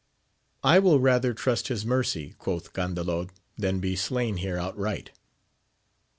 I will rather trust his mercy, quoth Gandalod, than be slain here outright.